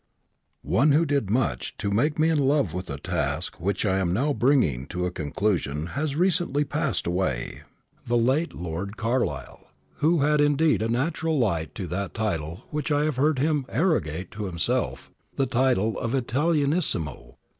One who did much to make me in love with the task which I am now bringing to a conclusion has recently passed away — the late Lord Carlisle, who had indeed a natural right to that title which I have heard him arrogate to himself — the title of ^ italianissimo.'